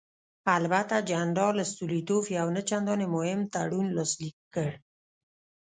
البته جنرال ستولیتوف یو نه چندانې مهم تړون لاسلیک کړ.